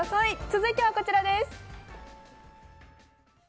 続いては、こちらです。